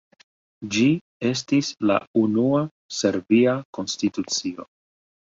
Ĝi estis la unua serbia konstitucio.